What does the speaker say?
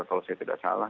kalau saya tidak salah